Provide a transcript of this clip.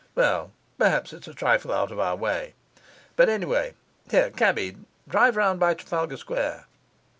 Well, perhaps it's a trifle out of our way. But, anyway Here, cabby, drive round by Trafalgar Square!